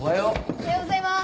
おはようございます。